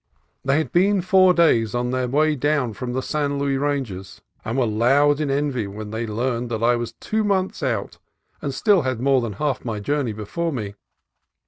They had been four days on their way down from the San Luis ranges, and were loud in envy when they learned that I was two months out and still had more than half my journey before me.